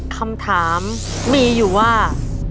คำถามมีอยู่ว่า